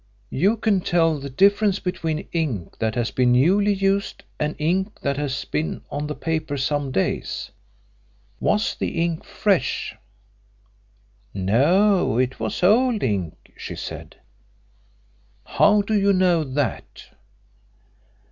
"You can tell the difference between ink that has been newly used and ink that has been on the paper some days. Was the ink fresh?" "No, it was old ink," she said. "How do you know that?"